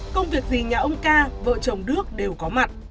công việc gì nhà ông ca vợ chồng đức đều có mặt